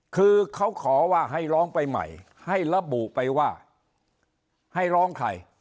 คือเขาขอว่าให้ร้องไปใหม่ให้ระบุไปว่าให้ร้องใคร